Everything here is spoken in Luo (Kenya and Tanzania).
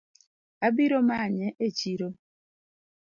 Abiro manye echiro